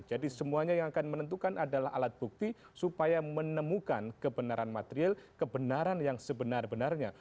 jadi semuanya yang akan menentukan adalah alat bukti supaya menemukan kebenaran material kebenaran yang sebenar benarnya